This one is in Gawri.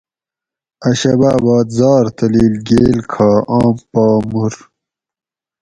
اۤ شباۤ باد زار تلیل گیل کھا آم پا مُر